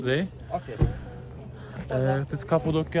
berapa tinggi perjalanan kita